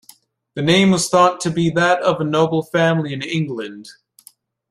The name was thought to be that of a noble family in England.